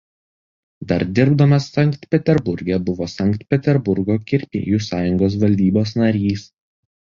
Dar dirbdamas Sankt Peterburge buvo Sankt Peterburgo kirpėjų sąjungos valdybos narys.